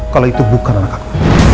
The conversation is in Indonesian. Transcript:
kalau itu bukan anak aku